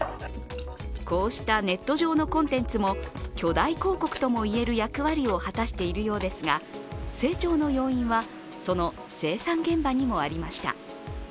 こうしたネット上のコンテンツも巨大広告ともいえる役割を果たしているようですが、成長の要因は、その生産現場にもありました。